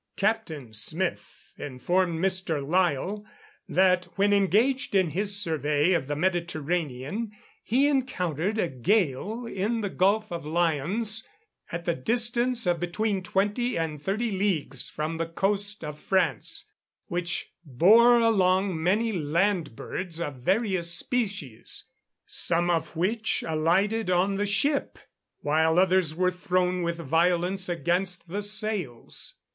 Captain Smyth informed Mr. Lyell, that when engaged in his survey of the Mediterranean, he encountered a gale in the Gulf of Lyons, at the distance of between twenty and thirty leagues from the coast of France, which bore along many land birds of various species, some of which alighted on the ship, while others were thrown with violence against the sails.